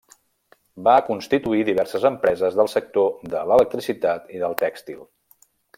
Va constituir diverses empreses del sector de l'electricitat i del tèxtil.